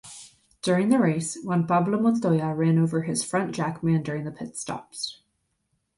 During the race, Juan Pablo Montoya ran over his front jackman during the pitstops.